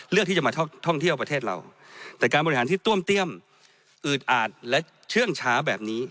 เลือกที่จะมาท่องเที่ยวประเทศเราแต่การบริหารที่ต้วมเตี้ยมอืดอาดและเชื่องช้าแบบนี้